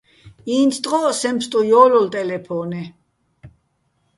ინც ტყოჸ სეჼ ბსტუ ჲოლოლ ტელეფონე: